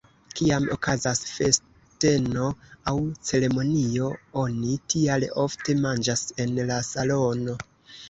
Kiam okazas festeno aŭ ceremonio, oni tial ofte manĝas en la salono.